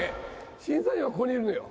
審査員はここにいるのよ。